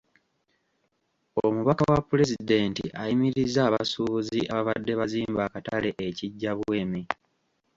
Omubaka wa Pulezidenti ayimirizza abasuubuzi ababadde bazimba akatale e Kijjabwemi.